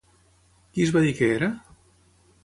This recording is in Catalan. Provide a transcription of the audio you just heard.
Qui es va dir que era?